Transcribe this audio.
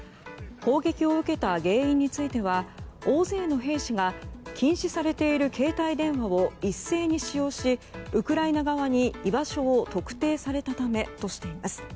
攻撃を受けた原因については大勢の兵士が禁止されている携帯電話を一斉に使用しウクライナ側に居場所を特定されたためとしています。